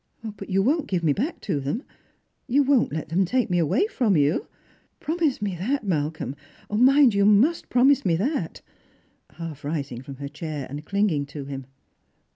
But you won't give me back to them — you won't let them take me away from you P Promise me that, Malcolm; mind, you must promise me that," half rising from her chair and clinging to him.